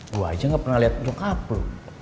dia gak pernah liat nyokap lo